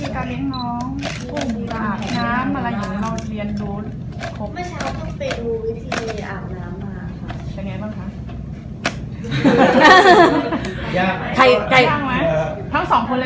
ทั้งสองคนเลยไหมคะ